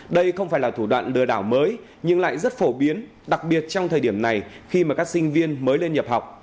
đây không phải là thủ đoạn lừa đảo mới nhưng lại rất phổ biến đặc biệt trong thời điểm này khi mà các sinh viên mới lên nhập học